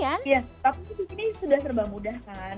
iya tapi disini sudah serba mudah kan